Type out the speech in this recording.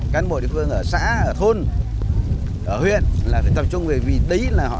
cán bộ địa phương ở xã ở thôn ở huyện là phải tập trung bởi vì đấy là họ